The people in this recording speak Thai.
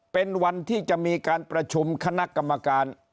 เป็นวันที่จะมีการประชุมคณะกรรมการ